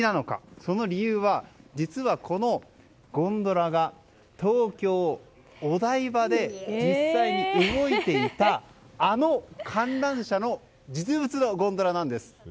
その理由は、実はこのゴンドラが東京・お台場で実際に動いていたあの観覧車の実物のゴンドラなんです。